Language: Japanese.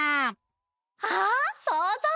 あっそうぞう！